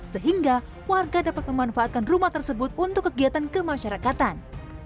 sehingga warga dapat memanfaatkan rumah tersebut untuk kegiatan kemasyarakatan